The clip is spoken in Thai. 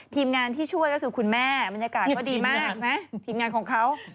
ทีมงานที่ช่วยก็คือคุณแม่บรรยากาศก็ดีมากนะทีมงานของเขา